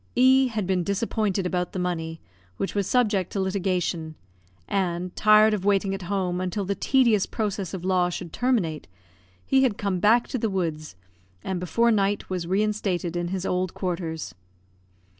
E had been disappointed about the money, which was subject to litigation; and, tired of waiting at home until the tedious process of the law should terminate, he had come back to the woods, and, before night, was reinstated in his old quarters.